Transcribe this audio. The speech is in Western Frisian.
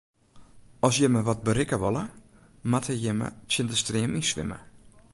As jimme wat berikke wolle, moatte jimme tsjin de stream yn swimme.